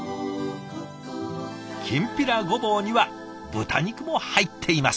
きんぴらごぼうには豚肉も入っています。